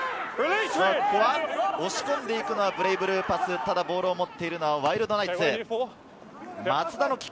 押し込んでいくのはブレイブルーパス、ボールを持っているのはワイルドナイツ。